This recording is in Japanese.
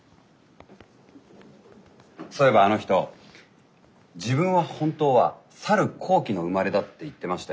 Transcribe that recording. そういえばあの人自分は本当はさる高貴の生まれだって言ってましたよ。